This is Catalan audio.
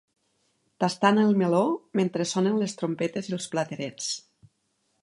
Tastant el meló mentre sonen les trompetes i els platerets.